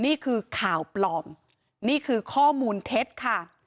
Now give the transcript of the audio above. นี่คือข่าวปลอมนี่คือข้อมูลเท็จค่ะ